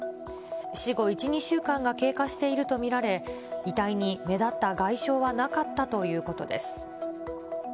死後１、２週間が経過していると見られ、遺体に目立った外傷はなかったということです。